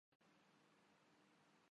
قومی ترانے کے دوراں کھڑا ہوتا ہوں